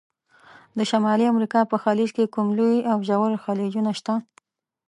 د شمالي امریکا په خلیج کې کوم لوی او ژور خلیجونه شته؟